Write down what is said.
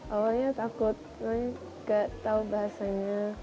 awalnya takut gak tahu bahasanya